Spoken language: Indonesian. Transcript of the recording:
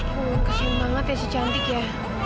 astaga kesian banget ya si cantik ya